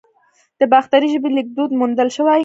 د باختري ژبې لیکدود موندل شوی